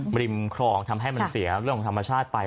บริมคลองทำให้มันเสียเรื่องของธรรมชาติไป